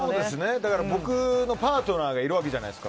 だから、僕のパートナーがいるわけじゃないですか。